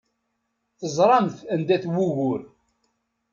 Teẓramt anda-t wugur.